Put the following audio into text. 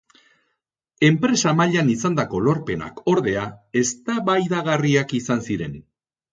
Enpresa mailan izandako lorpenak, ordea, eztabaidagarriak izan ziren.